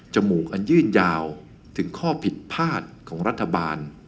มูกอันยื่นยาวถึงข้อผิดพลาดของรัฐบาล